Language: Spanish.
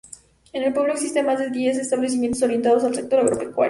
En el pueblo existen más de diez establecimiento orientados al sector agropecuario.